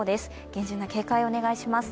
厳重な警戒をお願いします。